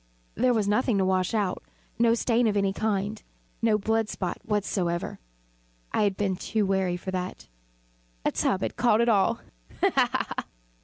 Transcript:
There was nothing to wash out no stain of any kind no blood spot whatever. I had been too wary for that. A tub had caught all ha! ha!